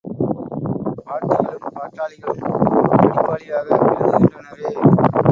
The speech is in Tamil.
பாட்டிகளும் பாட்டாளிகளும் படிப்பாளியாக விளங்குகின்றனரே.